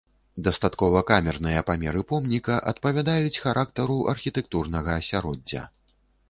Дастаткова камерныя памеры помніка адпавядаюць характару архітэктурнага асяроддзя.